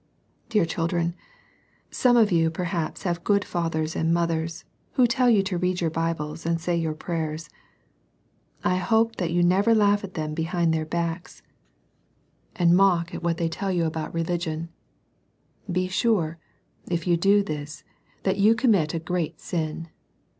Dear children, some of you perhaps have good fathers and mothers, who tell you to read your Bibles and say your prayers. I hope that you never laugh at them behind their backs, and mock at what they tell you about THE TWO BEARS. 1 5 religion. Be sure, if you do this, that you commit a great sin.